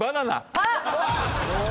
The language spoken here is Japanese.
あっ！